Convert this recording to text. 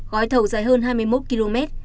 gói thầu dài hơn hai mươi một km